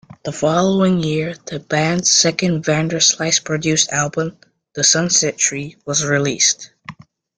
The following year, the band's second Vanderslice-produced album, "The Sunset Tree", was released.